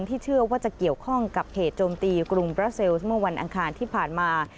เชื่อว่าจะเกี่ยวข้องกับเหตุโจมตีกรุงบราเซลสเมื่อวันอังคารที่ผ่านมา